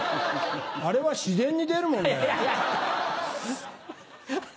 あれは自然に出るもんだよ。